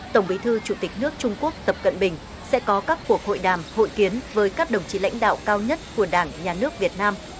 tổng bí thư chủ tịch nước trung quốc tập cận bình sẽ có các cuộc hội đàm hội kiến với các đồng chí lãnh đạo cao nhất của đảng nhà nước việt nam